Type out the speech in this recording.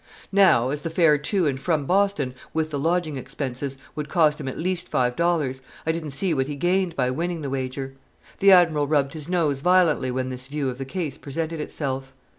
Now, as the fare to and from Boston, with the lodging expenses, would cost him at least five dollars, I didn't see what he gained by winning the wager. The Admiral rubbed his nose violently when this view of the case presented itself.